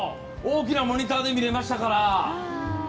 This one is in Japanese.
大きなモニターで見れましたから。